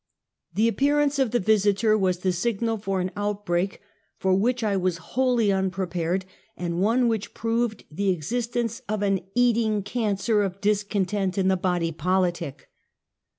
The appearance of The Visiter was the signal for an outbreak, for which I was wholly unprepared, and one which proved the existence of an eating cancer of discontent in the body politic.